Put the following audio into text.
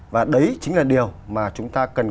và đấy chính là điều mà chúng ta cần quan tâm để tìm hiểu